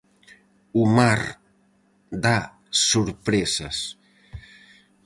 O mar dá sorpresas.